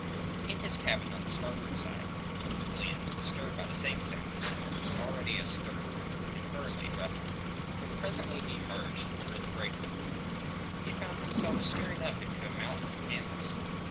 In his cabin on the starboard side Lord Julian, disturbed by the same sounds, was already astir and hurriedly dressing. When presently he emerged under the break of the poop, he found himself staring up into a mountain of canvas.